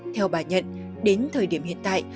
theo bà nhận đến thời điểm hiện tại